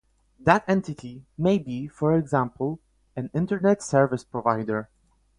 That entity may be, for example, an Internet service provider.